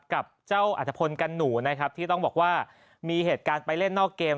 กับเจ้าอัฐพลกันหนูนะครับที่ต้องบอกว่ามีเหตุการณ์ไปเล่นนอกเกม